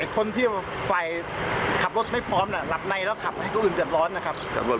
คนที่ฝ่ายขับรถไม่พร้อมหลับในแล้วขับให้ผู้อื่นเดือดร้อนนะครับ